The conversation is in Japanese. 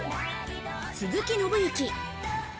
鈴木伸之。